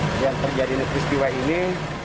sedang terjadi peristiwa ini